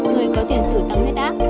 người có tiền sử tăng huyết áp